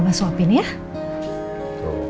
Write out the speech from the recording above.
mama suapin ya